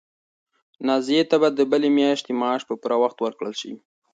نازیې ته به د بلې میاشتې معاش په پوره وخت ورکړل شي.